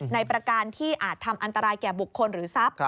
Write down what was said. ประการที่อาจทำอันตรายแก่บุคคลหรือทรัพย์